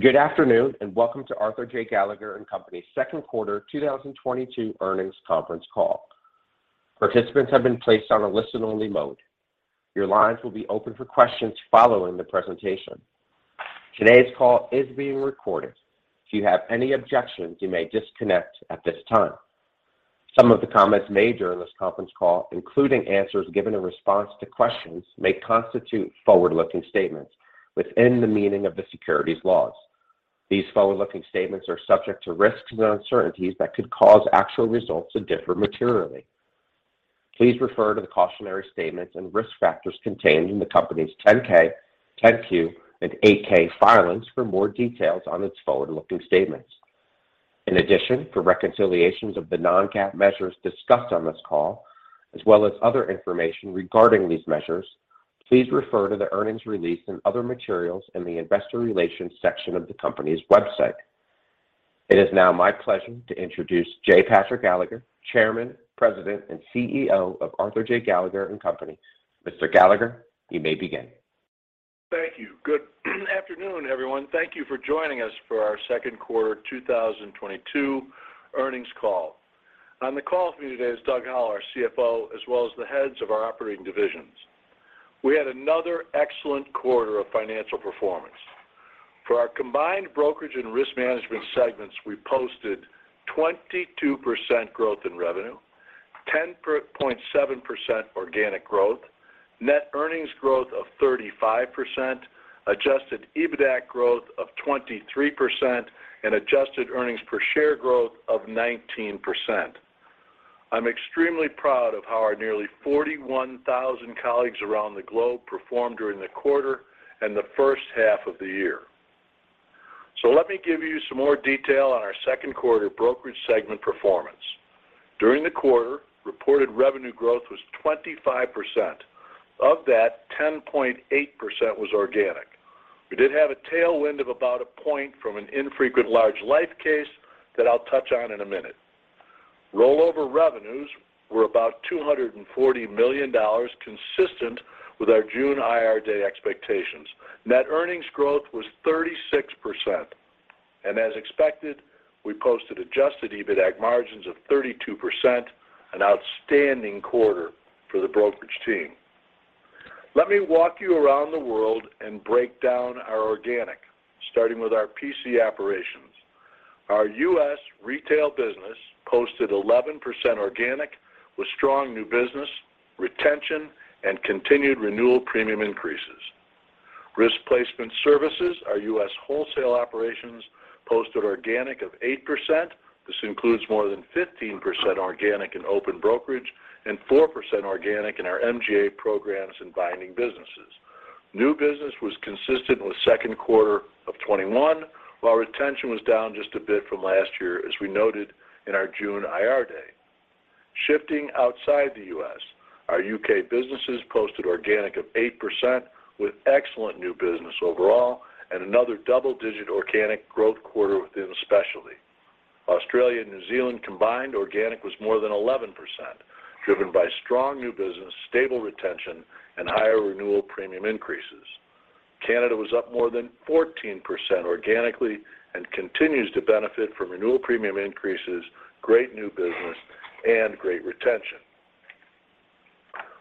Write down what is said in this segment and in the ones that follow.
Good afternoon, and welcome to Arthur J. Gallagher & Company second quarter 2022 earnings conference call. Participants have been placed on a listen-only mode. Your lines will be open for questions following the presentation. Today's call is being recorded. If you have any objections, you may disconnect at this time. Some of the comments made during this conference call, including answers given in response to questions, may constitute forward-looking statements within the meaning of the securities laws. These forward-looking statements are subject to risks and uncertainties that could cause actual results to differ materially. Please refer to the cautionary statements and risk factors contained in the company's 10-K, 10-Q, and 8-K filings for more details on its forward-looking statements. In addition, for reconciliations of the non-GAAP measures discussed on this call, as well as other information regarding these measures, please refer to the earnings release and other materials in the investor relations section of the company's website. It is now my pleasure to introduce J. Patrick Gallagher, Chairman, President, and CEO of Arthur J. Gallagher & Company. Mr. Gallagher, you may begin. Thank you. Good afternoon, everyone. Thank you for joining us for our second quarter 2022 earnings call. On the call for me today is Doug Howell, our CFO, as well as the heads of our operating divisions. We had another excellent quarter of financial performance. For our combined brokerage and risk management segments, we posted 22% growth in revenue, 10.7% organic growth, net earnings growth of 35%, adjusted EBITDAC growth of 23%, and adjusted earnings per share growth of 19%. I'm extremely proud of how our nearly 41,000 colleagues around the globe performed during the quarter and the first half of the year. Let me give you some more detail on our second quarter brokerage segment performance. During the quarter, reported revenue growth was 25%. Of that, 10.8% was organic. We did have a tailwind of about 1 point from an infrequent large loss case that I'll touch on in a minute. Rollover revenues were about $240 million consistent with our June Investor Day expectations. Net earnings growth was 36%. As expected, we posted adjusted EBITDAC margins of 32%, an outstanding quarter for the brokerage team. Let me walk you around the world and break down our organic, starting with our P&C operations. Our U.S. retail business posted 11% organic with strong new business, retention, and continued renewal premium increases. Risk Placement Services, our U.S. wholesale operations, posted organic of 8%. This includes more than 15% organic in open brokerage and 4% organic in our MGA programs and binding businesses. New business was consistent with second quarter of 2021, while retention was down just a bit from last year, as we noted in our June IR day. Shifting outside the U.S., our U.K. businesses posted organic of 8% with excellent new business overall and another double-digit organic growth quarter within specialty. Australia and New Zealand combined organic was more than 11%, driven by strong new business, stable retention, and higher renewal premium increases. Canada was up more than 14% organically and continues to benefit from renewal premium increases, great new business, and great retention.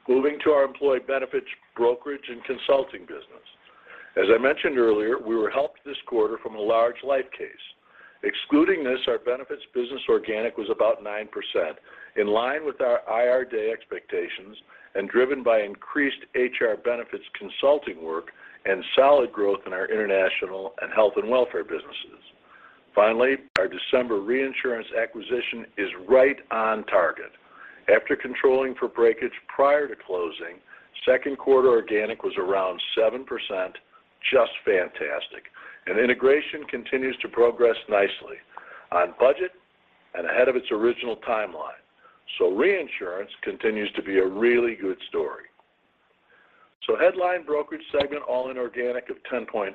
Moving to our employee benefits brokerage and consulting business. As I mentioned earlier, we were helped this quarter from a large life case. Excluding this, our benefits business organic was about 9%, in line with our Investor Day expectations and driven by increased HR benefits consulting work and solid growth in our international and health and welfare businesses. Finally, our December reinsurance acquisition is right on target. After controlling for breakage prior to closing, second quarter organic was around 7%, just fantastic. Integration continues to progress nicely on budget and ahead of its original timeline. Reinsurance continues to be a really good story. Headline brokerage segment all in organic of 10.8%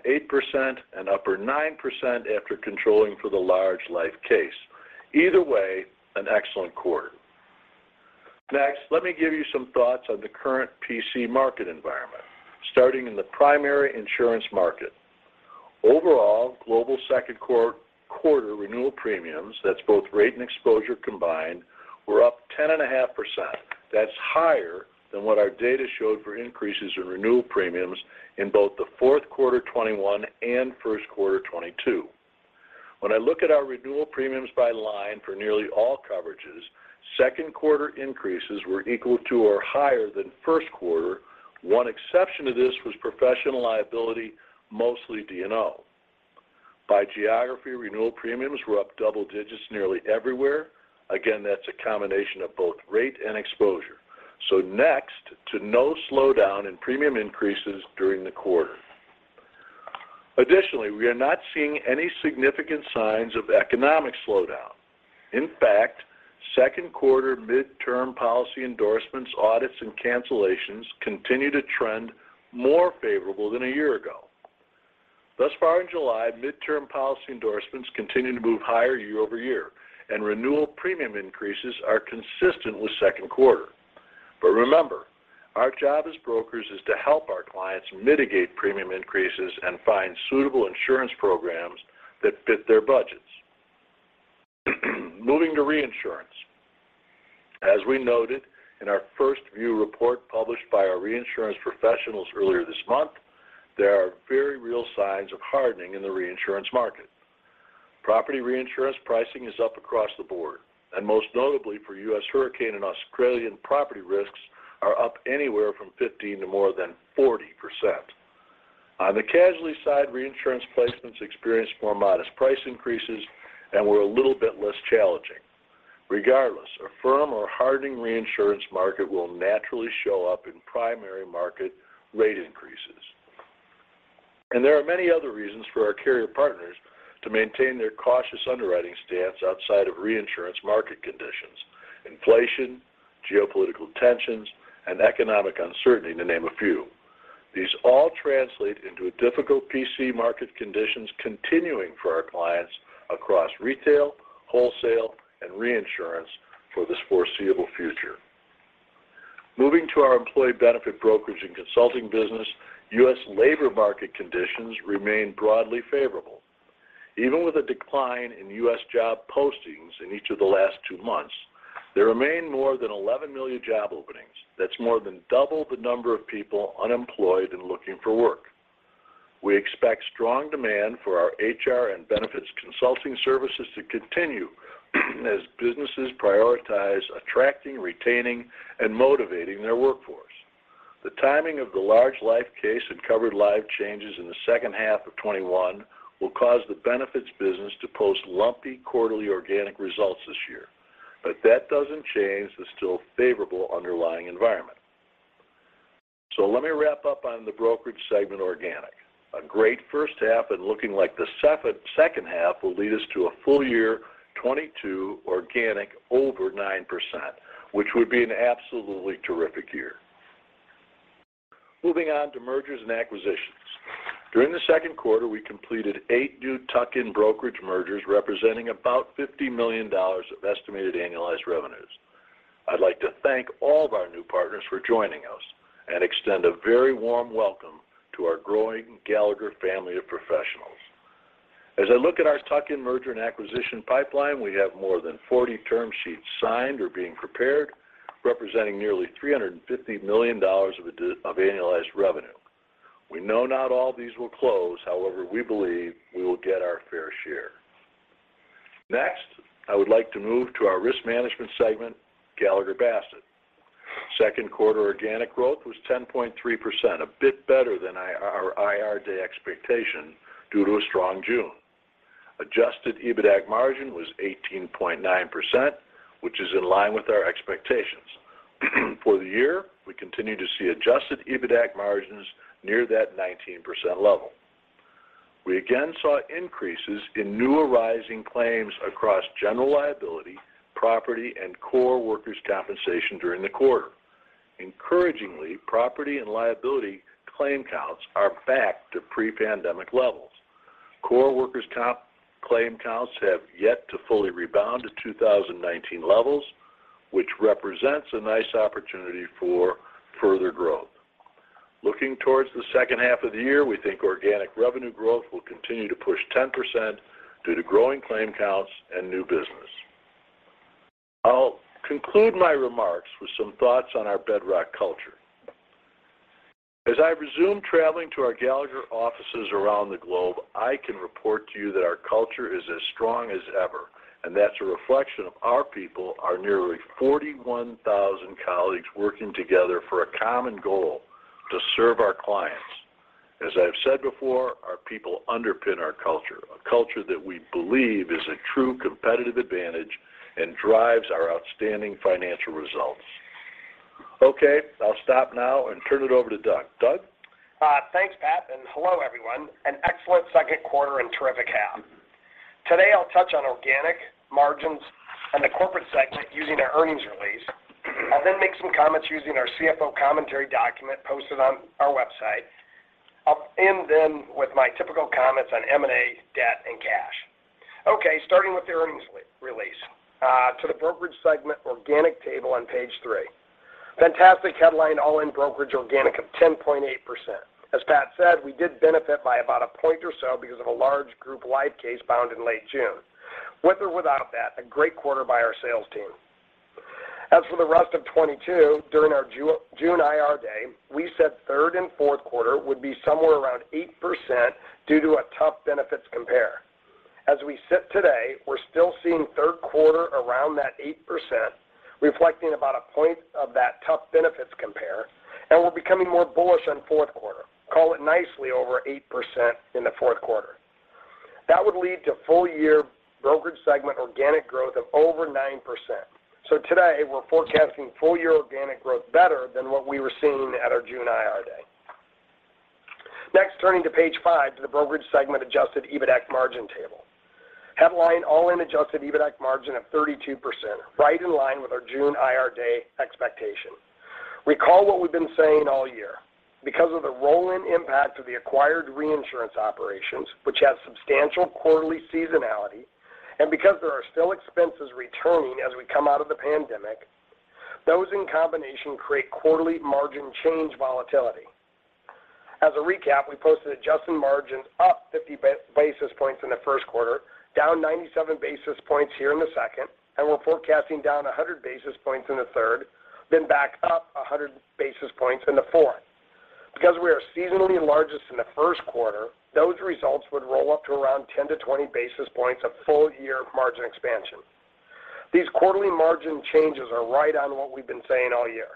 and upper 9% after controlling for the large life case. Either way, an excellent quarter. Next, let me give you some thoughts on the current P&C market environment, starting in the primary insurance market. Overall, global second quarter renewal premiums, that's both rate and exposure combined, were up 10.5%. That's higher than what our data showed for increases in renewal premiums in both the fourth quarter 2021 and first quarter 2022. When I look at our renewal premiums by line for nearly all coverages, second quarter increases were equal to or higher than first quarter. One exception to this was professional liability, mostly D&O. By geography, renewal premiums were up double digits nearly everywhere. Again, that's a combination of both rate and exposure. Next to no slowdown in premium increases during the quarter. Additionally, we are not seeing any significant signs of economic slowdown. In fact, second quarter midterm policy endorsements, audits, and cancellations continue to trend more favorable than a year ago. Thus far in July, midterm policy endorsements continue to move higher year-over-year, and renewal premium increases are consistent with second quarter. But remember, our job as brokers is to help our clients mitigate premium increases and find suitable insurance programs that fit their budgets. Moving to reinsurance. As we noted in our 1st View report published by our reinsurance professionals earlier this month, there are very real signs of hardening in the reinsurance market. Property reinsurance pricing is up across the board, and most notably for U.S. hurricane and Australian property risks, are up anywhere from 15% to more than 40%. On the casualty side, reinsurance placements experienced more modest price increases and were a little bit less challenging. Regardless, a firm or hardening reinsurance market will naturally show up in primary market rate increases. There are many other reasons for our carrier partners to maintain their cautious underwriting stance outside of reinsurance market conditions. Inflation, geopolitical tensions, and economic uncertainty, to name a few. These all translate into difficult P&C market conditions continuing for our clients across retail, wholesale, and reinsurance for this foreseeable future. Moving to our employee benefit brokerage and consulting business, U.S. labor market conditions remain broadly favorable. Even with a decline in U.S. job postings in each of the last two months, there remain more than 11 million job openings. That's more than double the number of people unemployed and looking for work. We expect strong demand for our HR and benefits consulting services to continue as businesses prioritize attracting, retaining, and motivating their workforce. The timing of the large life case and covered life changes in the second half of 2021 will cause the benefits business to post lumpy quarterly organic results this year. That doesn't change the still favorable underlying environment. Let me wrap up on the brokerage segment organic. A great first half and looking like the second half will lead us to a full year 2022 organic over 9%, which would be an absolutely terrific year. Moving on to mergers and acquisitions. During the second quarter, we completed 8 new tuck-in brokerage mergers representing about $50 million of estimated annualized revenues. I'd like to thank all of our new partners for joining us and extend a very warm welcome to our growing Gallagher family of professionals. As I look at our tuck-in merger and acquisition pipeline, we have more than 40 term sheets signed or being prepared, representing nearly $350 million of annualized revenue. We know not all these will close. However, we believe we will get our fair share. Next, I would like to move to our risk management segment, Gallagher Bassett. Second quarter organic growth was 10.3%, a bit better than our IR day expectation due to a strong June. Adjusted EBITDAC margin was 18.9%, which is in line with our expectations. For the year, we continue to see adjusted EBITDAC margins near that 19% level. We again saw increases in new arising claims across general liability, property, and core workers compensation during the quarter. Encouragingly, property and liability claim counts are back to pre-pandemic levels. Core workers comp claim counts have yet to fully rebound to 2019 levels, which represents a nice opportunity for further growth. Looking towards the second half of the year, we think organic revenue growth will continue to push 10% due to growing claim counts and new business. I'll conclude my remarks with some thoughts on our bedrock culture. As I resume traveling to our Gallagher offices around the globe, I can report to you that our culture is as strong as ever, and that's a reflection of our people, our nearly 41,000 colleagues working together for a common goal to serve our clients. As I've said before, our people underpin our culture, a culture that we believe is a true competitive advantage and drives our outstanding financial results. Okay, I'll stop now and turn it over to Doug. Doug? Thanks, Pat, and hello, everyone. An excellent second quarter and terrific half. Today, I'll touch on organic, margins, and the corporate segment using the earnings release. I'll then make some comments using our CFO Commentary document posted on our website. I'll end then with my typical comments on M&A, debt, and cash. Okay, starting with the earnings release, to the brokerage segment organic table on page three. Fantastic headline all-in brokerage organic of 10.8%. As Pat said, we did benefit by about a point or so because of a large group life case bound in late June. With or without that, a great quarter by our sales team. As for the rest of 2022, during our June Investor Day, we said third and fourth quarter would be somewhere around 8% due to a tough benefits compare. As we sit today, we're still seeing third quarter around that 8%, reflecting about 1% of that tough benefits compare, and we're becoming more bullish on fourth quarter. Call it nicely over 8% in the fourth quarter. That would lead to full-year brokerage segment organic growth of over 9%. Today, we're forecasting full year organic growth better than what we were seeing at our June Investor Day. Next, turning to page 5 to the brokerage segment adjusted EBITDAC margin table. Headline all-in adjusted EBITDAC margin of 32%, right in line with our June Investor Day expectation. Recall what we've been saying all year. Because of the roll-in impact of the acquired reinsurance operations, which has substantial quarterly seasonality, and because there are still expenses returning as we come out of the pandemic, those in combination create quarterly margin change volatility. As a recap, we posted adjusted margins up 50 basis points in the first quarter, down 97 basis points here in the second, and we're forecasting down 100 basis points in the third, then back up 100 basis points in the fourth. Because we are seasonally largest in the first quarter, those results would roll up to around 10-20 basis points of full-year margin expansion. These quarterly margin changes are right on what we've been saying all year.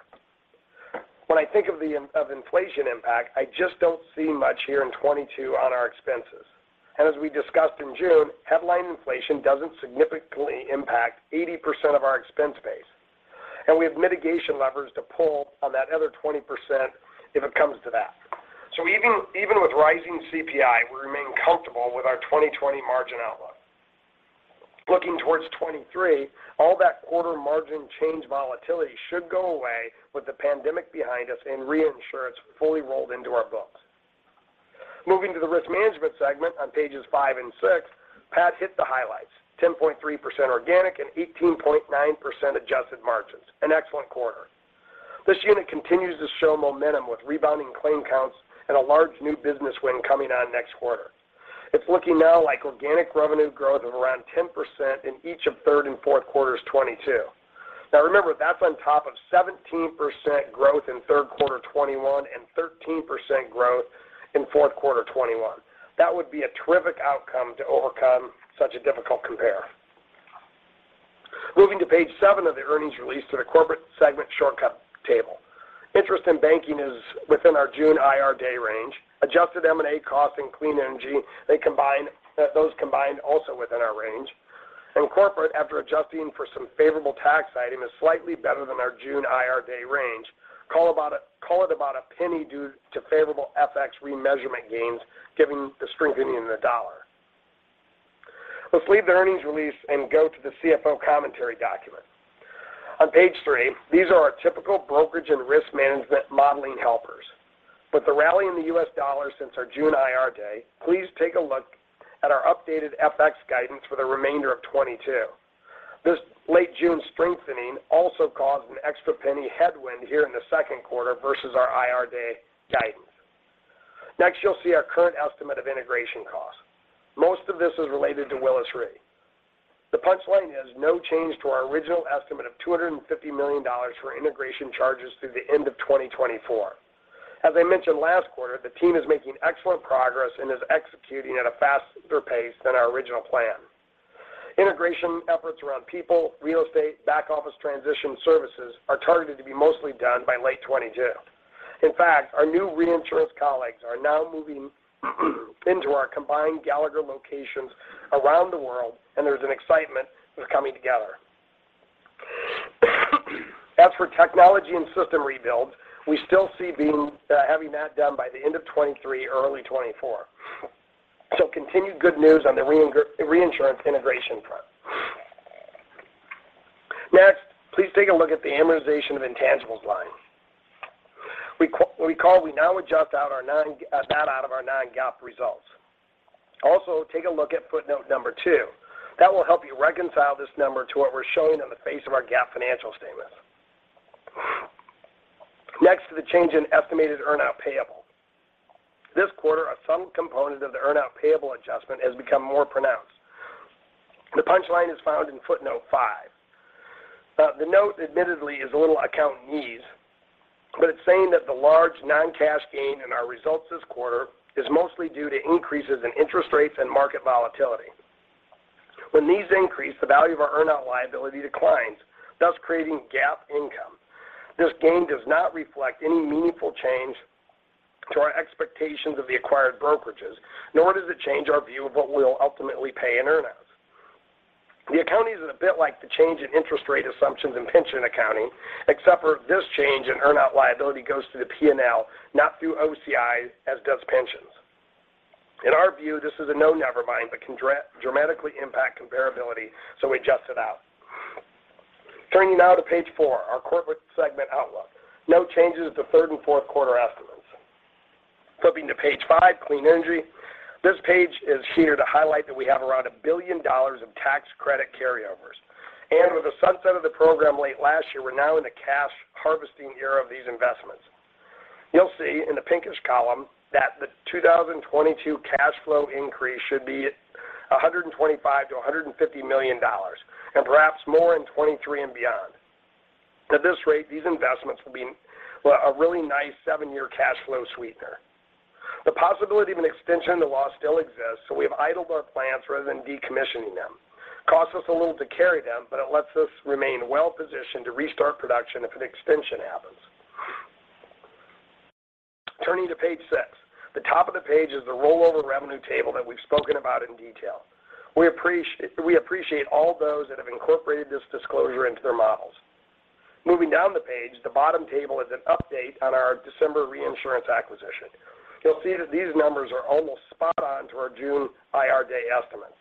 When I think of the impact of inflation, I just don't see much here in 2022 on our expenses. As we discussed in June, headline inflation doesn't significantly impact 80% of our expense base. We have mitigation levers to pull on that other 20% if it comes to that. Even with rising CPI, we remain comfortable with our 2020 margin outlook. Looking towards 2023, all that quarter margin change volatility should go away with the pandemic behind us and reinsurance fully rolled into our books. Moving to the Risk Management segment on pages 5 and 6, Pat hit the highlights, 10.3% organic and 18.9% adjusted margins. An excellent quarter. This unit continues to show momentum with rebounding claim counts and a large new business win coming on next quarter. It's looking now like organic revenue growth of around 10% in each of third and fourth quarters 2022. Now remember, that's on top of 17% growth in third quarter 2021 and 13% growth in fourth quarter 2021. That would be a terrific outcome to overcome such a difficult compare. Moving to page 7 of the earnings release to the corporate segment shortcut table. Interest in banking is within our June Investor Day range. Adjusted M&A costs and clean energy, those combined also within our range. Corporate, after adjusting for some favorable tax items, slightly better than our June IR day range. Call it about a penny due to favorable FX remeasurement gains, given the strengthening in the dollar. Let's leave the earnings release and go to the CFO Commentary document. On page 3, these are our typical brokerage and risk management modeling helpers. With the rally in the U.S. dollar since our June IR day, please take a look at our updated FX guidance for the remainder of 2022. This late June strengthening also caused an extra penny headwind here in the second quarter versus our IR day guidance. Next, you'll see our current estimate of integration costs. Most of this is related to Willis Re. The punchline is no change to our original estimate of $250 million for integration charges through the end of 2024. As I mentioned last quarter, the team is making excellent progress and is executing at a faster pace than our original plan. Integration efforts around people, real estate, back-office transition services are targeted to be mostly done by late 2022. In fact, our new reinsurance colleagues are now moving into our combined Gallagher locations around the world, and there's an excitement that's coming together. As for technology and system rebuild, we still see having that done by the end of 2023, early 2024. Continued good news on the reinsurance integration front. Next, please take a look at the amortization of intangibles line. Recall, we now adjust that out of our non-GAAP results. Also, take a look at footnote number 2. That will help you reconcile this number to what we're showing on the face of our GAAP financial statement. Next to the change in estimated earn-out payable. This quarter, some component of the earn-out payable adjustment has become more pronounced. The punchline is found in footnote 5. The note admittedly is a little accountingese, but it's saying that the large non-cash gain in our results this quarter is mostly due to increases in interest rates and market volatility. When these increase, the value of our earn-out liability declines, thus creating GAAP income. This gain does not reflect any meaningful change to our expectations of the acquired brokerages, nor does it change our view of what we'll ultimately pay in earnouts. The accounting is a bit like the change in interest rate assumptions in pension accounting, except for this change in earnout liability goes to the P&L, not through OCI as does pensions. In our view, this is a no nevermind, but can dramatically impact comparability, so we adjust it out. Turning now to page four, our corporate segment outlook. No changes to third and fourth quarter estimates. Flipping to page five, clean energy. This page is here to highlight that we have around $1 billion of tax credit carryovers. With the sunset of the program late last year, we're now in the cash harvesting era of these investments. You'll see in the pinkish column that the 2022 cash flow increase should be $125 million-$150 million, and perhaps more in 2023 and beyond. At this rate, these investments will be a really nice seven-year cash flow sweetener. The possibility of an extension of the law still exists, so we have idled our plants rather than decommissioning them. Costs us a little to carry them, but it lets us remain well-positioned to restart production if an extension happens. Turning to page six. The top of the page is the rollover revenue table that we've spoken about in detail. We appreciate all those that have incorporated this disclosure into their models. Moving down the page, the bottom table is an update on our December reinsurance acquisition. You'll see that these numbers are almost spot on to our June IR day estimates.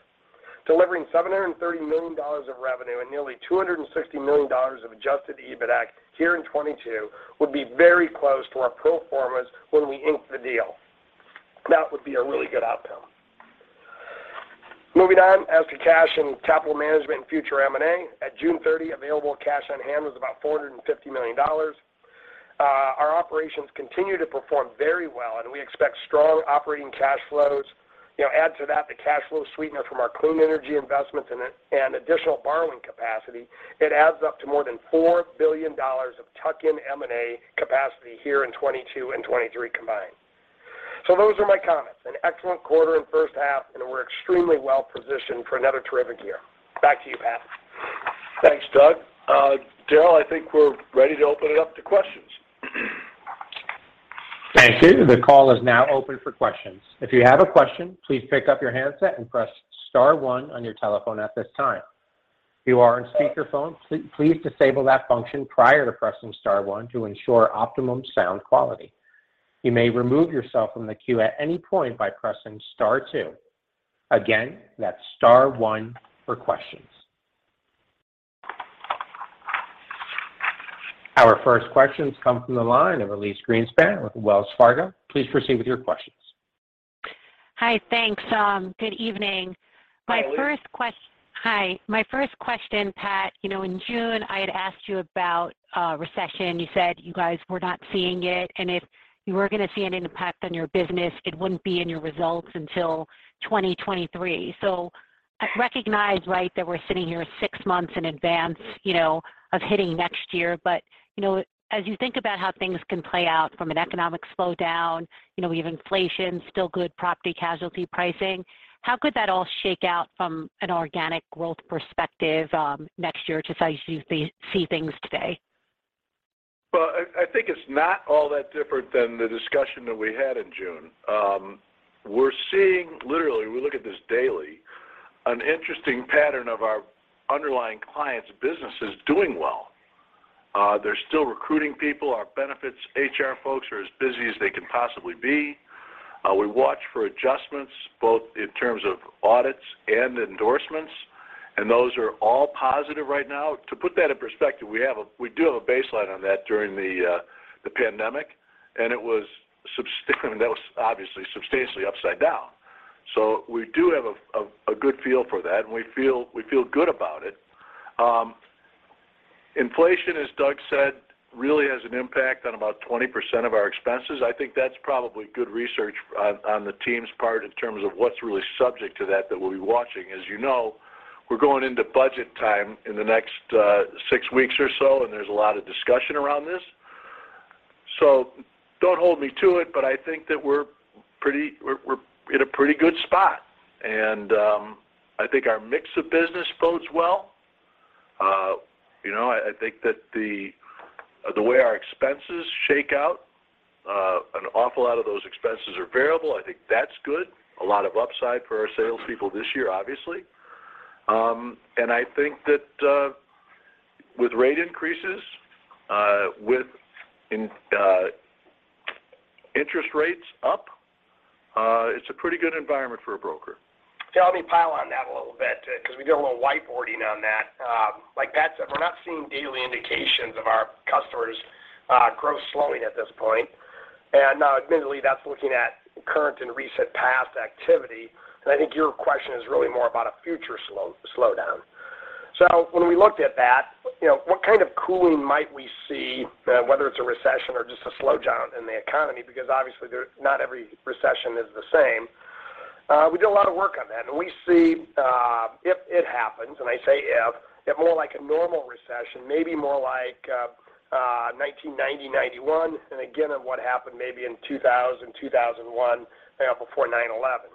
Delivering $730 million of revenue and nearly $260 million of adjusted EBIT here in 2022 would be very close to our pro formas when we inked the deal. That would be a really good outcome. Moving on. As to cash and capital management and future M&A, at June 30, available cash on hand was about $450 million. Our operations continue to perform very well, and we expect strong operating cash flows. You know, add to that the cash flow sweetener from our clean energy investments and additional borrowing capacity, it adds up to more than $4 billion of tuck-in M&A capacity here in 2022 and 2023 combined. Those are my comments. An excellent quarter and first half, and we're extremely well-positioned for another terrific year. Back to you, Pat. Thanks, Doug. Darrell, I think we're ready to open it up to questions. Thank you. The call is now open for questions. If you have a question, please pick up your handset and press star one on your telephone at this time. If you are on speakerphone, please disable that function prior to pressing star one to ensure optimum sound quality. You may remove yourself from the queue at any point by pressing star two. Again, that's star one for questions. Our first questions come from the line of Elyse Greenspan with Wells Fargo. Please proceed with your questions. Hi. Thanks. Good evening. Hi, Elyse. Hi. My first question, Pat, you know, in June, I had asked you about a recession. You said you guys were not seeing it, and if you were gonna see any impact on your business, it wouldn't be in your results until 2023. I recognize, right, that we're sitting here six months in advance, you know, of hitting next year. You know, as you think about how things can play out from an economic slowdown, you know, we have inflation, still good property casualty pricing. How could that all shake out from an organic growth perspective, next year just as you see things today? I think it's not all that different than the discussion that we had in June. We're seeing literally, we look at this daily, an interesting pattern of our underlying clients' businesses doing well. They're still recruiting people. Our benefits HR folks are as busy as they can possibly be. We watch for adjustments both in terms of audits and endorsements, and those are all positive right now. To put that in perspective, we do have a baseline on that during the pandemic, and it was, I mean, that was obviously substantially upside down. We do have a good feel for that, and we feel good about it. Inflation, as Doug said, really has an impact on about 20% of our expenses. I think that's probably good research on the team's part in terms of what's really subject to that we'll be watching. As you know, we're going into budget time in the next six weeks or so, and there's a lot of discussion around this. So don't hold me to it, but I think that we're in a pretty good spot. I think our mix of business bodes well. You know, I think that the way our expenses shake out, an awful lot of those expenses are variable. I think that's good. A lot of upside for our salespeople this year, obviously. I think that with rate increases, with interest rates up, it's a pretty good environment for a broker. Yeah, let me pile on that a little bit, 'cause we did a little whiteboarding on that. Like Pat said, we're not seeing daily indications of our customers' growth slowing at this point. Now admittedly, that's looking at current and recent past activity. I think your question is really more about a future slowdown. When we looked at that, you know, what kind of cooling might we see, whether it's a recession or just a slowdown in the economy because obviously not every recession is the same. We did a lot of work on that. We see, if it happens, and I say if more like a normal recession, maybe more like 1990, 1991, and again on what happened maybe in 2000, 2001, before 9/11.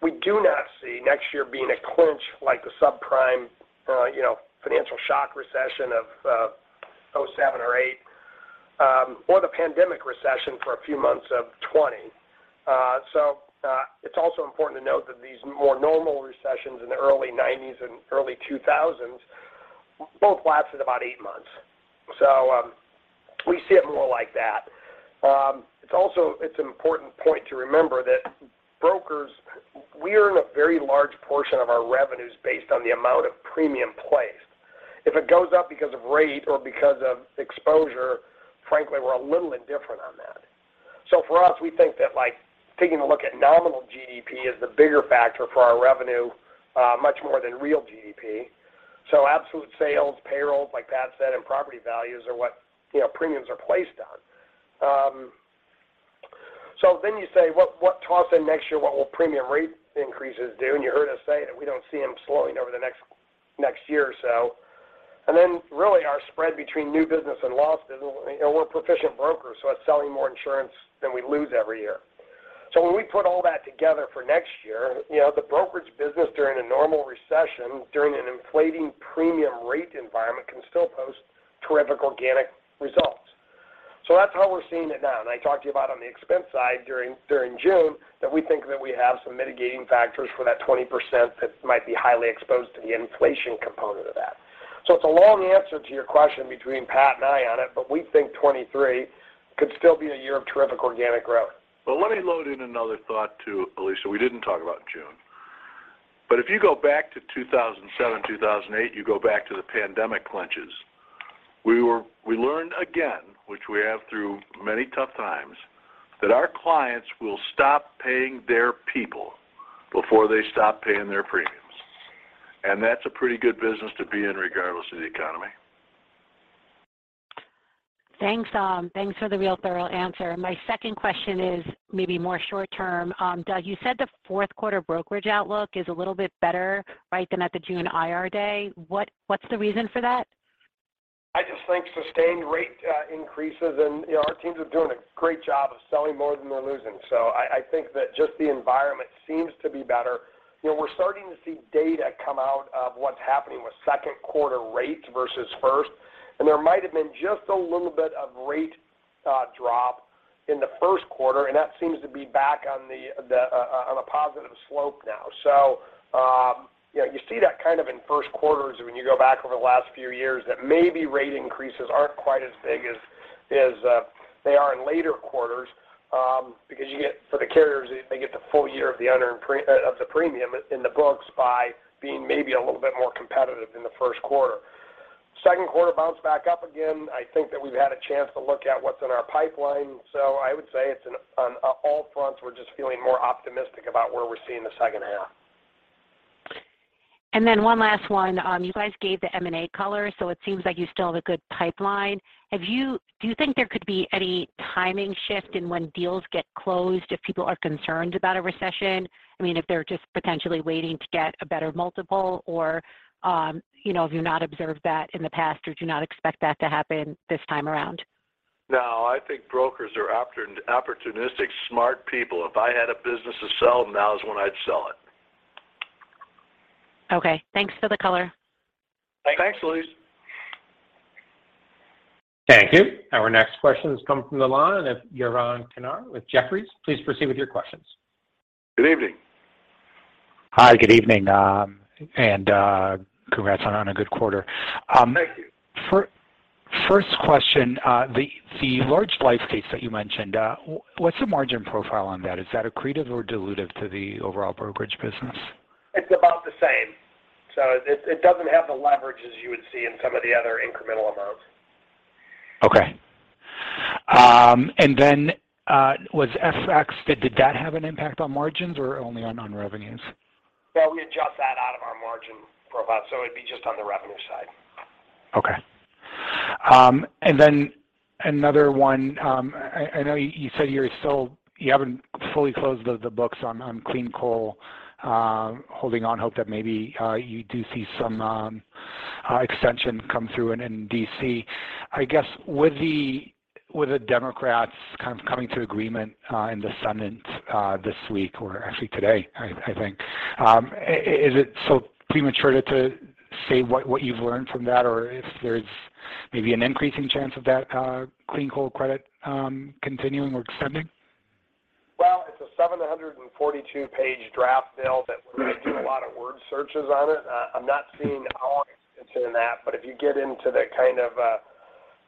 We do not see next year being a clinch like the subprime, you know, financial shock recession of 2007 or 2008, or the pandemic recession for a few months of 2020. It's also important to note that these more normal recessions in the early 1990s and early 2000s both lasted about eight months. We see it more like that. It's an important point to remember that brokers, we earn a very large portion of our revenues based on the amount of premium placed. If it goes up because of rate or because of exposure, frankly, we're a little indifferent on that. For us, we think that, like, taking a look at nominal GDP is the bigger factor for our revenue, much more than real GDP. Absolute sales, payroll, like Pat said, and property values are what, you know, premiums are placed on. You say, well, what costs in next year? What will premium rate increases do? You heard us say that we don't see them slowing over the next year or so. Really our spread between new business and lost business, you know, we're proficient brokers, so it's selling more insurance than we lose every year. When we put all that together for next year, you know, the brokerage business during a normal recession, during an inflating premium rate environment can still post terrific organic results. That's how we're seeing it now. I talked to you about on the expense side during June, that we think that we have some mitigating factors for that 20% that might be highly exposed to the inflation component of that. It's a long answer to your question between Pat and I on it, but we think 2023 could still be a year of terrific organic growth. Well, let me lob in another thought, too, Elyse, we didn't talk about in June. If you go back to 2007, 2008, you go back to the financial crisis, we learned again, which we have through many tough times, that our clients will stop paying their people before they stop paying their premiums. That's a pretty good business to be in regardless of the economy. Thanks, thanks for the real thorough answer. My second question is maybe more short term. Doug, you said the fourth quarter brokerage outlook is a little bit better, right, than at the June Investor Day. What's the reason for that? I just think sustained rate increases and, you know, our teams are doing a great job of selling more than they're losing. I think that just the environment seems to be better. You know, we're starting to see data come out of what's happening with second quarter rates versus first. There might have been just a little bit of rate drop in the first quarter, and that seems to be back on a positive slope now. You know, you see that kind of in first quarters when you go back over the last few years, that maybe rate increases aren't quite as big as they are in later quarters, because you get. For the carriers, they get the full year of the unearned premium in the books by being maybe a little bit more competitive in the first quarter. Second quarter bounce back up again. I think that we've had a chance to look at what's in our pipeline. I would say it's on all fronts, we're just feeling more optimistic about where we're seeing the second half. One last one. You guys gave the M&A color, so it seems like you still have a good pipeline. Do you think there could be any timing shift in when deals get closed if people are concerned about a recession? I mean, if they're just potentially waiting to get a better multiple or, you know, have you not observed that in the past, or do you not expect that to happen this time around? No, I think brokers are opportunistic, smart people. If I had a business to sell, now is when I'd sell it. Okay. Thanks for the color. Thanks, Elyse. Thank you. Our next question comes from the line of Yaron Kinar with Jefferies. Please proceed with your questions. Good evening. Hi, good evening. Congrats on a good quarter. Thank you. First question, the large life case that you mentioned, what's the margin profile on that? Is that accretive or dilutive to the overall brokerage business? It's about the same. It doesn't have the leverage as you would see in some of the other incremental amounts. Okay. Was FX, did that have an impact on margins or only on revenues? Well, we adjust that out of our margin profile, so it'd be just on the revenue side. Okay. Another one. I know you said you haven't fully closed the books on clean coal, holding out hope that maybe you do see some extension come through in D.C. I guess, with the Democrats kind of coming to agreement in the Senate this week or actually today, I think, is it so premature to say what you've learned from that or if there's maybe an increasing chance of that clean coal credit continuing or extending? Well, it's a 742-page draft bill that we're gonna do a lot of word searches on it. I'm not seeing our position in that. If you get into the kind of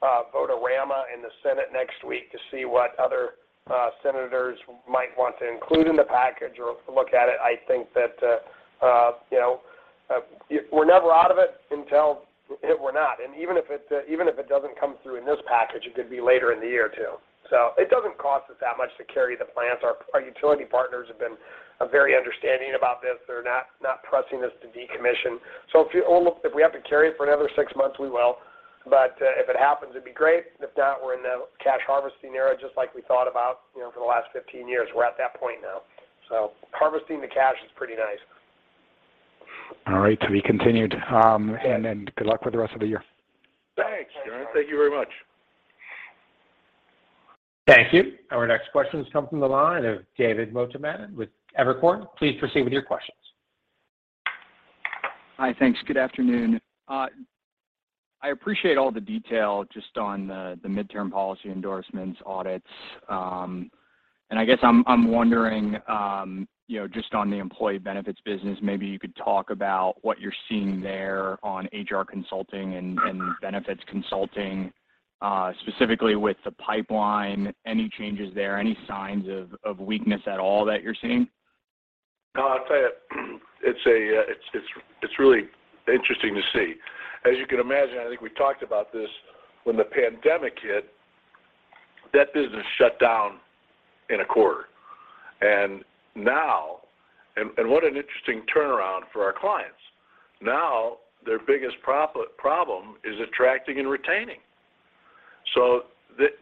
vote-a-rama in the Senate next week to see what other senators might want to include in the package or look at it, I think that you know, we're never out of it until we're not. Even if it doesn't come through in this package, it could be later in the year, too. It doesn't cost us that much to carry the plans. Our utility partners have been very understanding about this. They're not pressing us to decommission. Or look, if we have to carry it for another 6 months, we will. If it happens, it'd be great. If not, we're in the cash harvesting era, just like we thought about, you know, for the last 15 years. We're at that point now. Harvesting the cash is pretty nice. All right. To be continued. Good luck with the rest of the year. Thanks, Yaron. Thank you very much. Thank you. Our next question comes from the line of David Motemaden with Evercore. Please proceed with your questions. Hi. Thanks. Good afternoon. I appreciate all the detail just on the midterm policy endorsements, audits. I guess I'm wondering, you know, just on the employee benefits business, maybe you could talk about what you're seeing there on HR consulting and benefits consulting, specifically with the pipeline. Any changes there? Any signs of weakness at all that you're seeing? No, I'll tell you, it's really interesting to see. As you can imagine, I think we talked about this when the pandemic hit, that business shut down in a quarter. Now, what an interesting turnaround for our clients. Now, their biggest problem is attracting and retaining.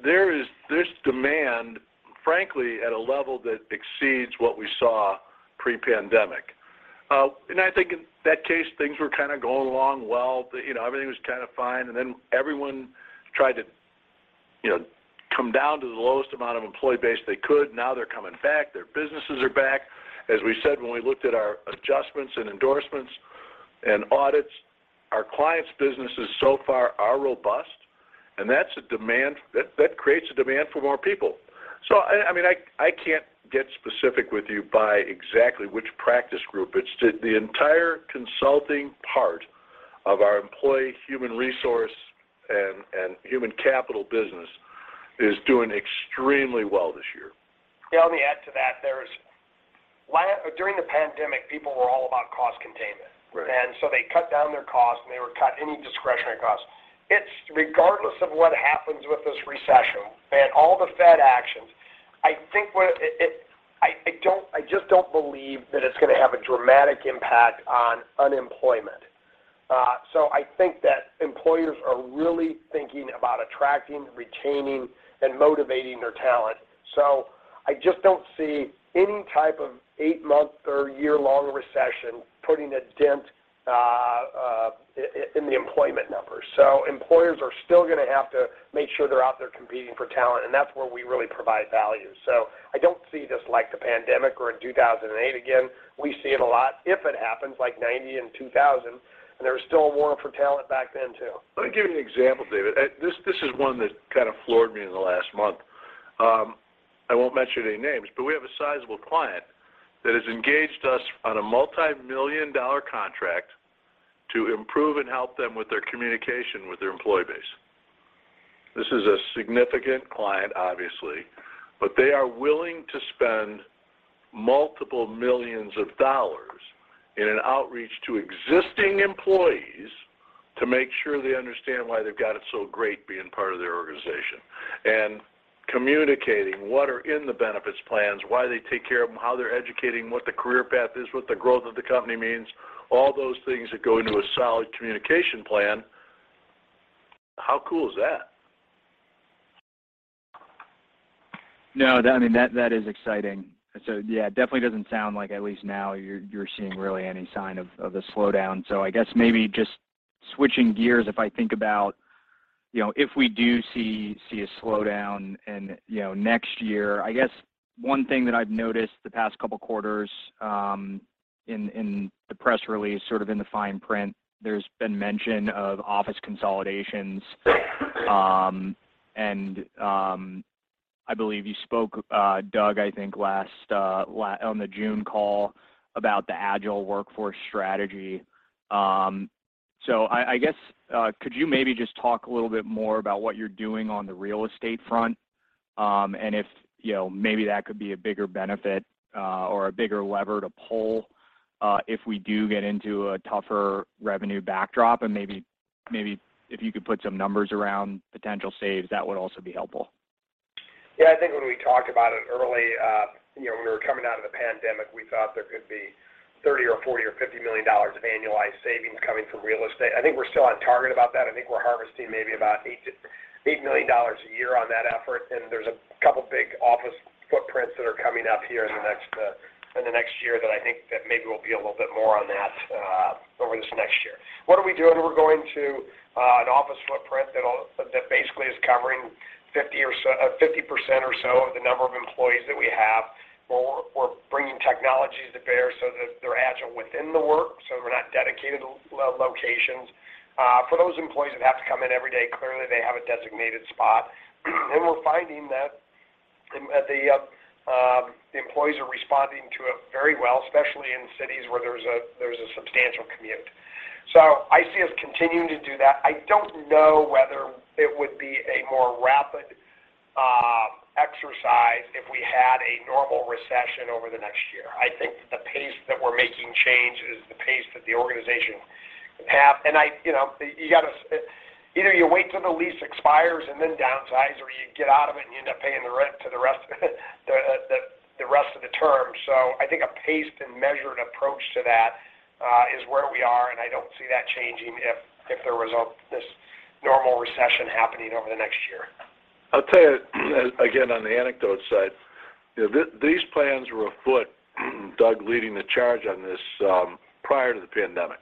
There is this demand, frankly, at a level that exceeds what we saw pre-pandemic. I think in that case, things were kinda going along well, you know, everything was kinda fine, and then everyone tried to, you know, come down to the lowest amount of employee base they could. Now they're coming back. Their businesses are back. As we said, when we looked at our adjustments and endorsements and audits, our clients' businesses so far are robust. That's a demand that creates a demand for more people. I mean, I can't get specific with you by exactly which practice group. It's the entire consulting part of our employee human resource and human capital business is doing extremely well this year. Yeah. Let me add to that. During the pandemic, people were all about cost containment. Right. They cut down their costs, and they would cut any discretionary costs. It's regardless of what happens with this recession and all the Fed actions. I think I just don't believe that it's gonna have a dramatic impact on unemployment. I think that employers are really thinking about attracting, retaining, and motivating their talent. I just don't see any type of 8-month or year-long recession putting a dent in the employment numbers. Employers are still gonna have to make sure they're out there competing for talent, and that's where we really provide value. I don't see this like the pandemic or in 2008 again. We see it a lot if it happens like 1990 and 2000, and there was still a war for talent back then too. Let me give you an example, David. This is one that kind of floored me in the last month. I won't mention any names, but we have a sizable client that has engaged us on a multimillion-dollar contract to improve and help them with their communication with their employee base. This is a significant client, obviously, but they are willing to spend multiple millions of dollars in an outreach to existing employees to make sure they understand why they've got it so great being part of their organization. Communicating what are in the benefits plans, why they take care of them, how they're educating, what the career path is, what the growth of the company means, all those things that go into a solid communication plan, how cool is that? No. I mean, that is exciting. Yeah, it definitely doesn't sound like at least now you're seeing really any sign of a slowdown. I guess maybe just switching gears, if I think about, you know, if we do see a slowdown and, you know, next year. I guess one thing that I've noticed the past couple quarters in the press release, sort of in the fine print, there's been mention of office consolidations. I believe you spoke, Doug, I think last on the June call about the agile workforce strategy. I guess could you maybe just talk a little bit more about what you're doing on the real estate front, and if you know, maybe that could be a bigger benefit or a bigger lever to pull if we do get into a tougher revenue backdrop. Maybe if you could put some numbers around potential saves, that would also be helpful. Yeah, I think when we talked about it early, you know, when we were coming out of the pandemic, we thought there could be $30 or $40 or $50 million of annualized savings coming from real estate. I think we're still on target about that. I think we're harvesting maybe about $8 million a year on that effort, and there's a couple big office footprints that are coming up here in the next, in the next year that I think that maybe we'll be a little bit more on that, over this next year. What are we doing? We're going to an office footprint that'll. That basically is covering 50% or so of the number of employees that we have, where we're bringing technologies to bear so that they're agile within the work, so they're not dedicated locations. For those employees that have to come in every day, clearly, they have a designated spot. We're finding that the employees are responding to it very well, especially in cities where there's a substantial commute. I see us continuing to do that. I don't know whether it would be a more rapid exercise if we had a normal recession over the next year. I think the pace that we're making change is the pace that the organization have. I, you know, you gotta. Either you wait till the lease expires and then downsize, or you get out of it, and you end up paying the rent to the rest of the term. I think a paced and measured approach to that is where we are, and I don't see that changing if there was a normal recession happening over the next year. I'll tell you, again, on the anecdote side, you know, these plans were afoot, Doug leading the charge on this, prior to the pandemic.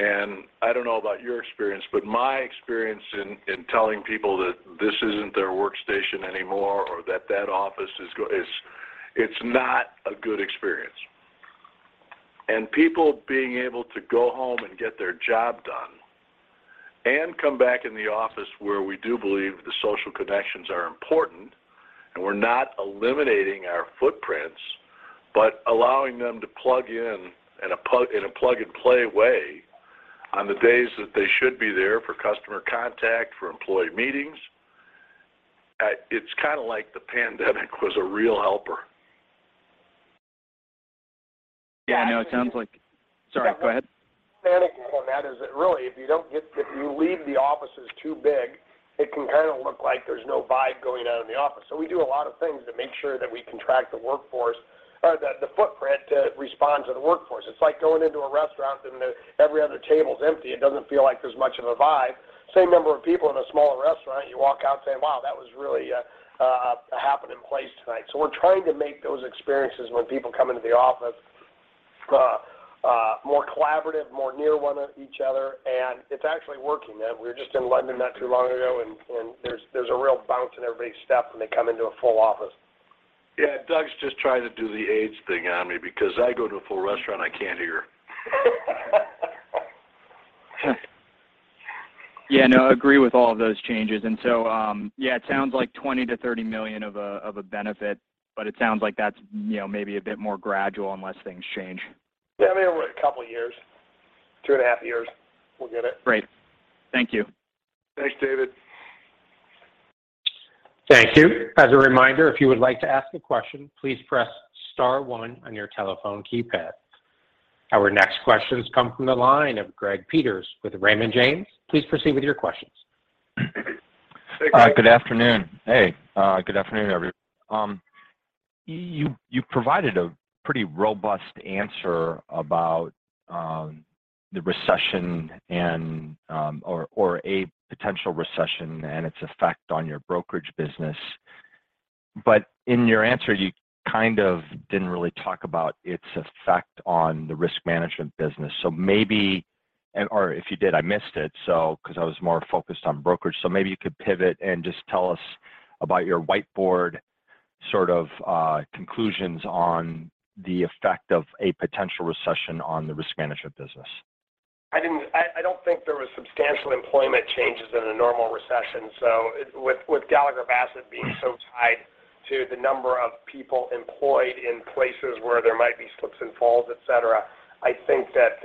I don't know about your experience, but my experience in telling people that this isn't their workstation anymore or that office is. It's not a good experience. People being able to go home and get their job done and come back in the office where we do believe the social connections are important, and we're not eliminating our footprints, but allowing them to plug in a plug-and-play way on the days that they should be there for customer contact, for employee meetings. It's kinda like the pandemic was a real helper. Yeah. No. Sorry. Go ahead. If you leave the offices too big, it can kinda look like there's no vibe going on in the office. We do a lot of things to make sure that we can track the workforce or the footprint to respond to the workforce. It's like going into a restaurant and every other table's empty. It doesn't feel like there's much of a vibe. Same number of people in a smaller restaurant, you walk out and say, "Wow, that was really a happening place tonight." We're trying to make those experiences when people come into the office more collaborative, more near one another, and it's actually working. We were just in London not too long ago, and there's a real bounce in everybody's step when they come into a full office. Yeah, Doug's just trying to do the age thing on me because I go to a full restaurant, I can't hear. Yeah, no, agree with all of those changes. Yeah, it sounds like $20 million-$30 million of a benefit, but it sounds like that's, you know, maybe a bit more gradual unless things change. Yeah, I mean, over a couple of years, two and a half years, we'll get it. Great. Thank you. Thanks, David. Thank you. As a reminder, if you would like to ask a question, please press star one on your telephone keypad. Our next questions come from the line of Greg Peters with Raymond James. Please proceed with your questions. Hey, Greg. Good afternoon. Hey, good afternoon, everyone. You provided a pretty robust answer about the recession or a potential recession and its effect on your brokerage business. In your answer, you kind of didn't really talk about its effect on the risk management business. Maybe, or if you did, I missed it, because I was more focused on brokerage. Maybe you could pivot and just tell us about your whiteboard sort of conclusions on the effect of a potential recession on the risk management business. I don't think there was substantial employment changes in a normal recession. With Gallagher Bassett being so tied to the number of people employed in places where there might be slips and falls, et cetera, I think that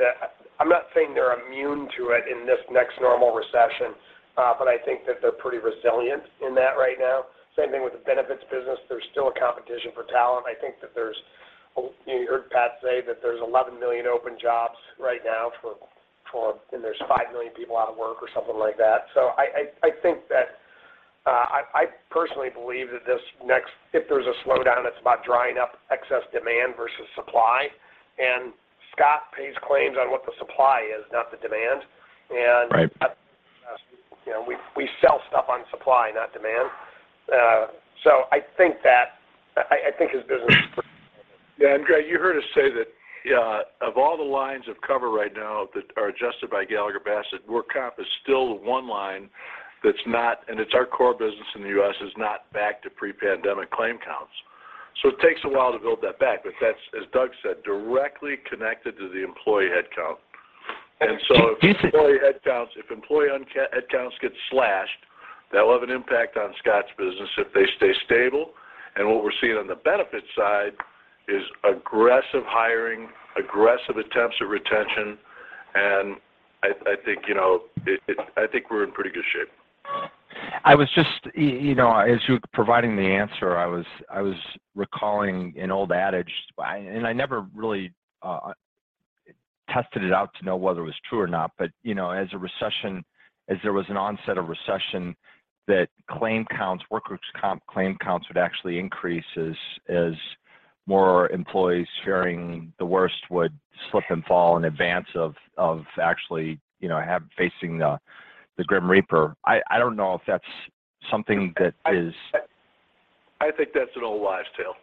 I'm not saying they're immune to it in this next normal recession, but I think that they're pretty resilient in that right now. Same thing with the benefits business. There's still a competition for talent. I think that you heard Pat say that there's 11 million open jobs right now for. And there's 5 million people out of work or something like that. I personally believe that this next, if there's a slowdown, it's about drying up excess demand versus supply. Scott pays claims on what the supply is, not the demand. Right. You know, we sell stuff on supply, not demand. I think that his business Yeah, Greg, you heard us say that of all the lines of cover right now that are adjusted by Gallagher Bassett, work comp is still the one line that's not, and it's our core business in the U.S., is not back to pre-pandemic claim counts. It takes a while to build that back. That's, as Doug said, directly connected to the employee headcount. If employee headcounts get slashed, that will have an impact on Scott's business if they stay stable. What we're seeing on the benefit side is aggressive hiring, aggressive attempts at retention, and I think, you know, we're in pretty good shape. I was just, you know, as you were providing the answer, I was recalling an old adage. I never really tested it out to know whether it was true or not. You know, as there was an onset of recession, workers' comp claim counts would actually increase as more employees fearing the worst would slip and fall in advance of actually, you know, facing the grim reaper. I don't know if that's something that is. I think that's an old wives' tale.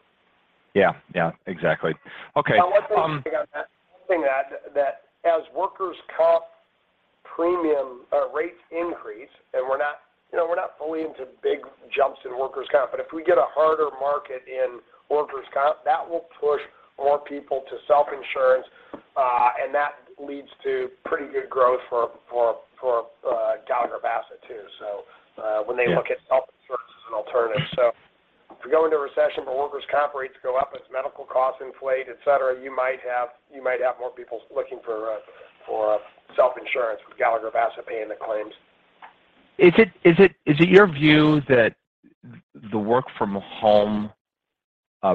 Yeah. Yeah. Exactly. Okay. One thing on that, one thing to add, that as workers' comp premium rates increase, and we're not, you know, we're not fully into big jumps in workers' comp, but if we get a harder market in workers' comp, that will push more people to self-insurance, and that leads to pretty good growth for Gallagher Bassett too. When they look at self-insurance as an alternative. If we go into a recession, but workers' comp rates go up as medical costs inflate, et cetera, you might have more people looking for self-insurance with Gallagher Bassett paying the claims. Is it your view that the work from home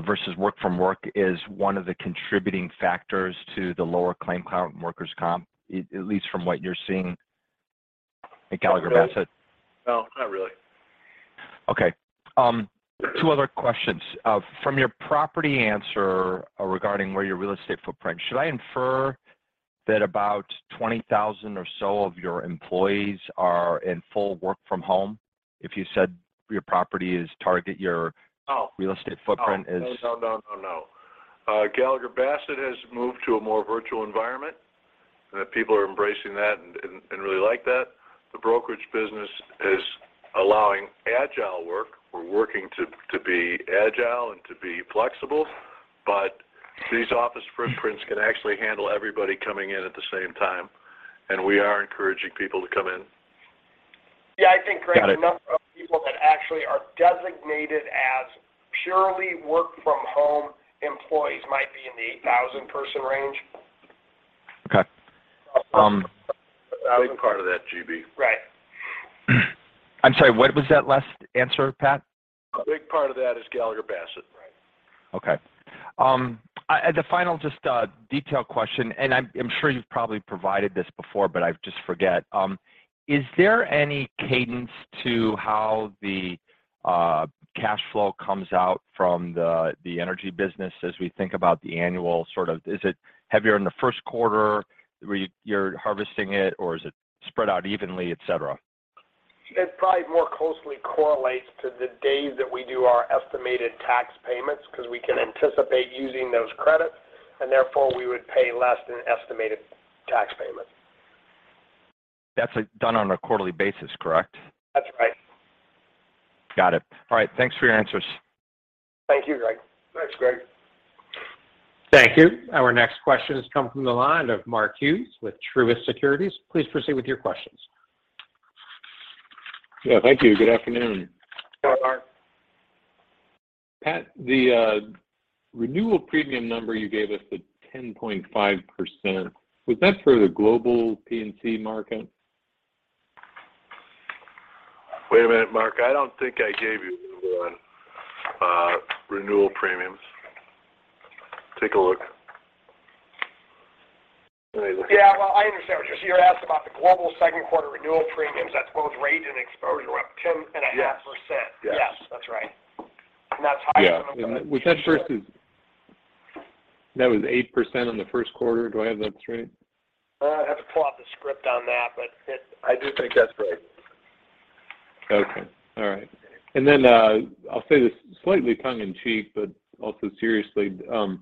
versus work from work is one of the contributing factors to the lower claim count in workers' comp, at least from what you're seeing at Gallagher Bassett? No, not really. Okay. Two other questions. From your previous answer regarding where your real estate footprint, should I infer that about 20,000 or so of your employees are in full work from home? If you said your property is targeted, your No. real estate footprint is No. Gallagher Bassett has moved to a more virtual environment, and people are embracing that and really like that. The brokerage business is allowing agile work. We're working to be agile and to be flexible, but these office footprints can actually handle everybody coming in at the same time, and we are encouraging people to come in. Yeah, I think, Greg. Got it. The number of people that actually are designated as purely work-from-home employees might be in the 8,000-person range. Okay. A big part of that, GB. Right. I'm sorry, what was that last answer, Pat? A big part of that is Gallagher Bassett. Right. Okay. The final just detail question, and I'm sure you've probably provided this before, but I just forget. Is there any cadence to how the cash flow comes out from the energy business as we think about the annual sort of. Is it heavier in the first quarter where you're harvesting it, or is it spread out evenly, et cetera? It probably more closely correlates to the days that we do our estimated tax payments because we can anticipate using those credits, and therefore, we would pay less in estimated tax payments. That's, like, done on a quarterly basis, correct? That's right. Got it. All right. Thanks for your answers. Thank you, Greg. Thanks, Greg. Thank you. Our next question has come from the line of Mark Hughes with Truist Securities. Please proceed with your questions. Yeah, thank you. Good afternoon. Hi, Mark. Pat, the renewal premium number you gave us at 10.5%, was that for the global P&C market? Wait a minute, Mark. I don't think I gave you one, renewal premiums. Take a look. Yeah. Well, I understand what you're asking about the global second quarter renewal premiums. That's both rate and exposure, we're up 10.5%. Yes. Yes. Yes, that's right. That's higher than. Yeah. That was 8% on the first quarter. Do I have that straight? I'd have to pull out the script on that, but it. I do think that's right. I'll say this slightly tongue in cheek, but also seriously, do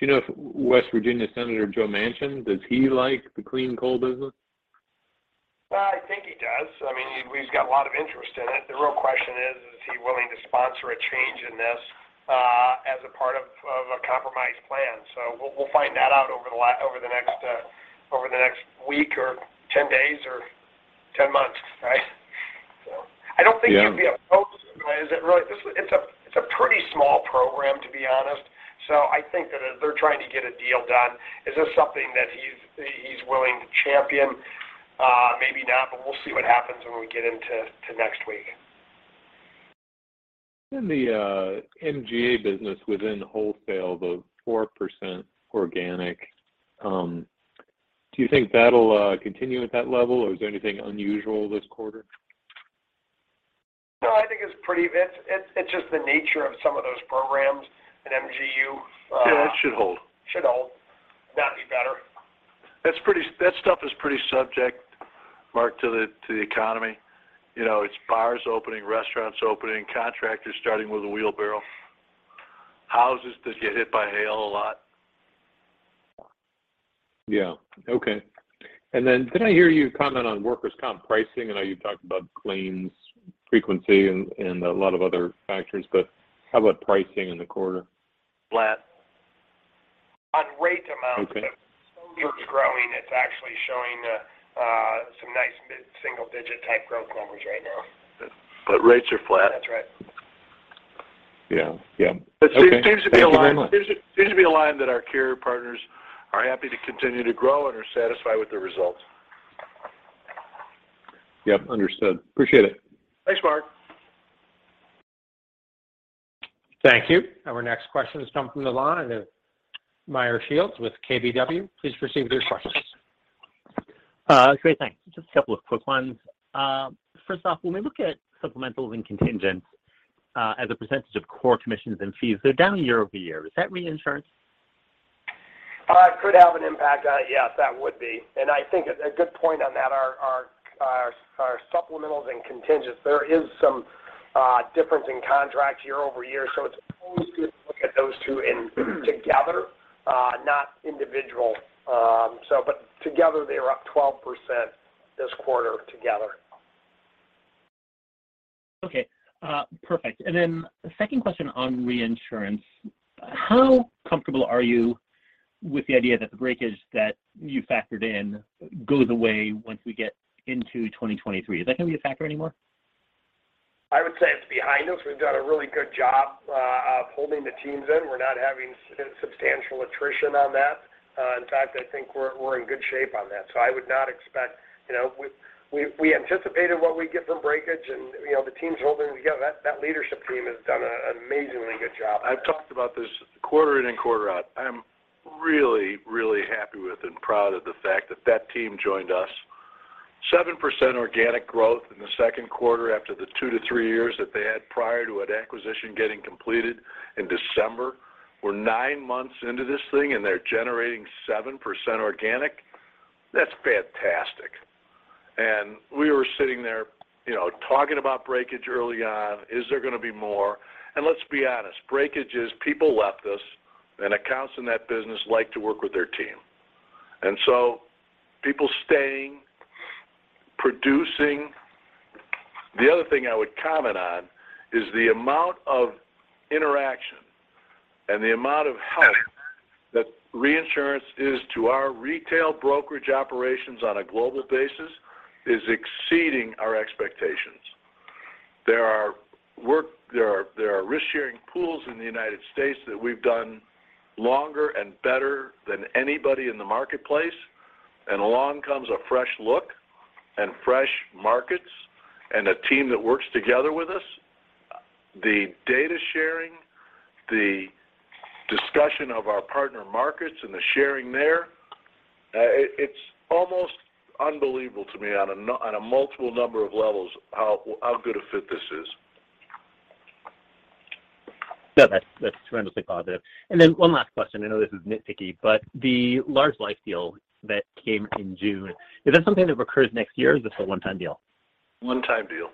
you know if West Virginia Senator Joe Manchin, does he like the clean coal business? Well, I think he does. I mean, we've got a lot of interest in it. The real question is he willing to sponsor a change in this, as a part of a compromised plan. We'll find that out over the next week or 10 days or 10 months, right? I don't think- Yeah He'd be opposed. Is it really? It's a pretty small program, to be honest. I think that if they're trying to get a deal done, is this something that he's willing to champion? Maybe not, but we'll see what happens when we get into next week. In the MGA business within wholesale, the 4% organic, do you think that'll continue at that level, or is there anything unusual this quarter? No, I think it's pretty. It's just the nature of some of those programs at MGU. Yeah, that should hold. should hold, if not be better. That stuff is pretty subjective, Mark, to the economy. You know, it's bars opening, restaurants opening, contractors starting with a wheelbarrow. Houses that get hit by hail a lot. Yeah. Okay. Did I hear you comment on workers' comp pricing? I know you talked about claims frequency and a lot of other factors, but how about pricing in the quarter? Flat on rate amounts. Okay It's growing. It's actually showing some nice mid-single digit type growth numbers right now. Rates are flat. That's right. Yeah. Yeah. Okay. It seems to be aligned. Thank you very much. Seems to be aligned that our carrier partners are happy to continue to grow and are satisfied with the results. Yep. Understood. Appreciate it. Thanks, Mark. Thank you. Our next question has come from the line of Meyer Shields with KBW. Please proceed with your questions. Great. Thanks. Just a couple of quick ones. First off, when we look at supplementals and contingents, as a percentage of core commissions and fees, they're down year-over-year. Is that reinsurance? It could have an impact. Yes, that would be. I think a good point on that are supplementals and contingents. There is some difference in contracts year-over-year, so it's always good to look at those two together, not individual. But together, they're up 12% this quarter together. Okay. Perfect. Second question on reinsurance. How comfortable are you with the idea that the breakage that you factored in goes away once we get into 2023? Is that gonna be a factor anymore? I would say it's behind us. We've done a really good job of holding the teams in. We're not having substantial attrition on that. In fact, I think we're in good shape on that. I would not expect. You know, we anticipated what we get from breakage and, you know, the team's holding it together. That leadership team has done a amazingly good job. I've talked about this quarter in and quarter out. I am really, really happy with and proud of the fact that that team joined us. 7% organic growth in the second quarter after the 2-3 years that they had prior to an acquisition getting completed in December. We're 9 months into this thing, and they're generating 7% organic. That's fantastic. We were sitting there, you know, talking about breakage early on. Is there gonna be more? Let's be honest, breakage is people left us, and accounts in that business like to work with their team. People staying, producing. The other thing I would comment on is the amount of interaction and the amount of help that reinsurance is to our retail brokerage operations on a global basis is exceeding our expectations. There are risk-sharing pools in the United States that we've done longer and better than anybody in the marketplace, and along comes a fresh look and fresh markets and a team that works together with us. The data sharing, the discussion of our partner markets and the sharing there, it's almost unbelievable to me on a multiple number of levels how good a fit this is. No, that's tremendously positive. One last question. I know this is nitpicky, but the large life deal that came in June, is that something that recurs next year, or is this a one-time deal? One-time deal.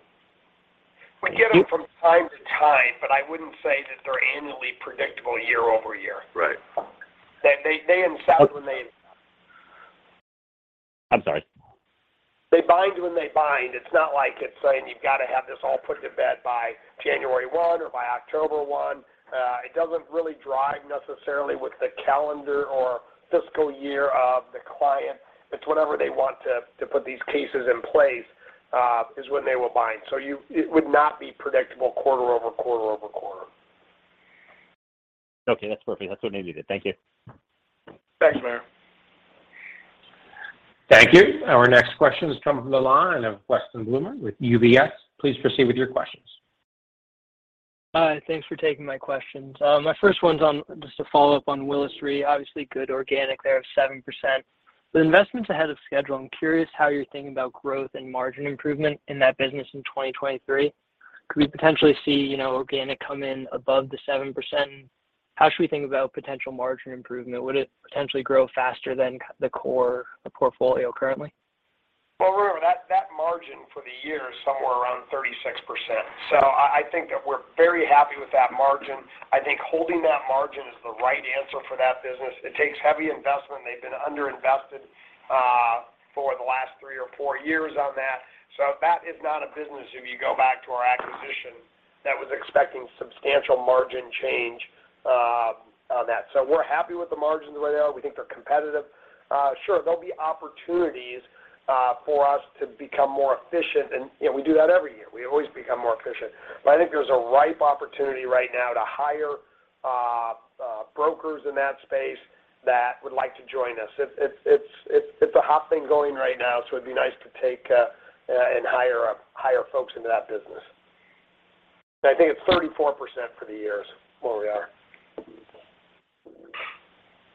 We get them from time to time, but I wouldn't say that they're annually predictable year over year. Right. That they insult when they. I'm sorry. They bind when they bind. It's not like it's saying you've gotta have this all put to bed by January one or by October one. It doesn't really drive necessarily with the calendar or fiscal year of the client. It's whenever they want to put these cases in place is when they will bind. It would not be predictable quarter-over-quarter. Okay, that's perfect. That's what I needed. Thank you. Thanks, Meyer. Thank you. Our next question is coming from the line of Weston Bloomer with UBS. Please proceed with your questions. Hi, thanks for taking my questions. My first one's on just a follow-up on Willis Re. Obviously, good organic there of 7%. The investment's ahead of schedule. I'm curious how you're thinking about growth and margin improvement in that business in 2023. Could we potentially see, you know, organic come in above the 7%? How should we think about potential margin improvement? Would it potentially grow faster than the core portfolio currently? Well, remember that margin for the year is somewhere around 36%. I think that we're very happy with that margin. I think holding that margin is the right answer for that business. It takes heavy investment. They've been under-invested for the last three or four years on that. That is not a business, if you go back to our acquisition, that was expecting substantial margin change on that. We're happy with the margins the way they are. We think they're competitive. Sure, there'll be opportunities for us to become more efficient and, you know, we do that every year. We always become more efficient. I think there's a ripe opportunity right now to hire brokers in that space that would like to join us. It's a hot thing going right now, so it'd be nice to take and hire folks into that business. I think it's 34% for the year is where we are.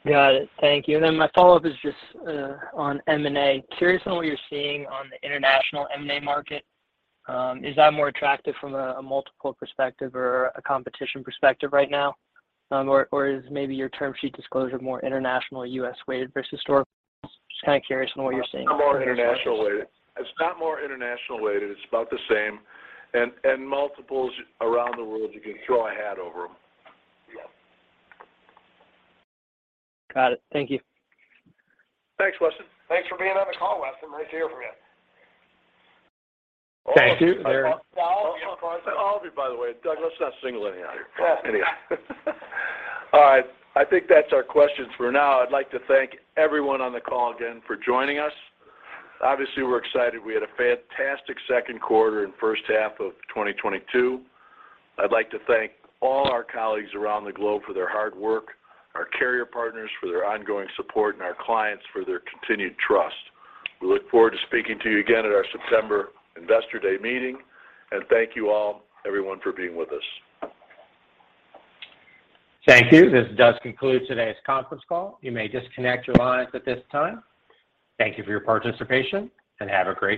Got it. Thank you. My follow-up is just on M&A. Curious on what you're seeing on the international M&A market. Is that more attractive from a multiple perspective or a competition perspective right now? Or is maybe your term sheet disclosure more international US weighted versus historical? Just kind of curious on what you're seeing. More international weighted. It's not more international weighted, it's about the same. Multiples around the world, you can throw a hat over them. Got it. Thank you. Thanks, Weston. Thanks for being on the call, Weston. Nice to hear from you. Thank you. All of you, by the way. Doug, let's not single any out here. All right, I think that's our questions for now. I'd like to thank everyone on the call again for joining us. Obviously, we're excited. We had a fantastic second quarter and first half of 2022. I'd like to thank all our colleagues around the globe for their hard work, our carrier partners for their ongoing support, and our clients for their continued trust. We look forward to speaking to you again at our September Investor Day meeting, and thank you all, everyone for being with us. Thank you. This does conclude today's conference call. You may disconnect your lines at this time. Thank you for your participation, and have a great day.